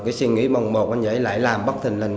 cái suy nghĩ bồng bột anh dạy lại làm bất thình linh